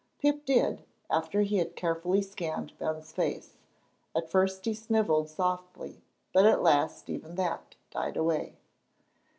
Pip did, after he had carefully scanned Ben's face. At first he snivelled softly, but at last even that died away.